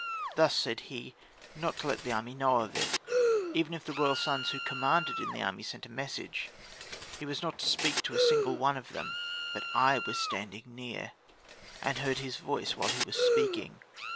Thus said he, not to let the army know of it Even if the royal sons who commanded in that army send a message, he was not to speak to a single one of them. But I was standing near, and heard his voice while he was speaking.